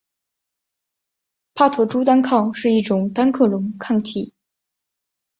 帕妥珠单抗是一种单克隆抗体。